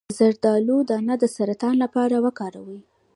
د زردالو دانه د سرطان لپاره وکاروئ